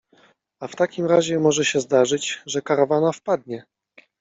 A w takim razie może się zdarzyć, że karawana wpadnie.